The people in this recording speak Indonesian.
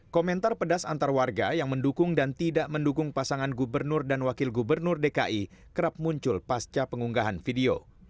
komentar pedas antar warga yang mendukung dan tidak mendukung pasangan gubernur dan wakil gubernur dki kerap muncul pasca pengunggahan video